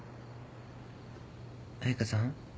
彩佳さん。